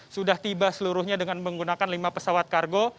sudah tiba seluruhnya dengan menggunakan lima pesawat kargo